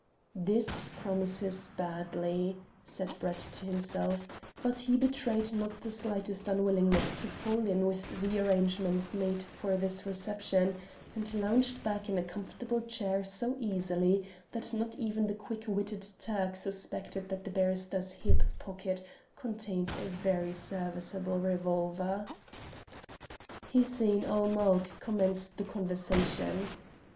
"This promises badly," said Brett to himself, but he betrayed not the slightest unwillingness to fall in with the arrangements made for his reception, and lounged back in a comfortable chair so easily that not even the quick witted Turk suspected that the barrister's hip pocket contained a very serviceable revolver. Hussein ul Mulk commenced the conversation.